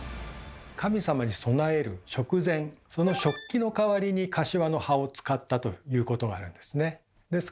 神様に供える食膳その食器の代わりに柏の葉を使ったということがあるんですね。